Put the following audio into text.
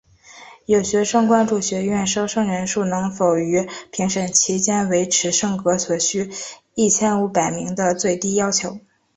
有学生关注学院收生人数能否于评审期间维持升格所需一千五百名的最低要求。